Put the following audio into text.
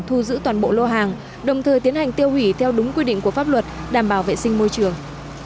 thu giữ toàn bộ lô hàng đồng thời tiến hành tiêu hủy theo đúng quy định của pháp luật đảm bảo vệ sinh môi trường